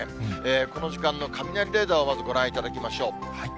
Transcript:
この時間の雷レーダーをまずご覧いただきましょう。